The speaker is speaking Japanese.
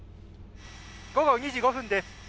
午後２時５分です。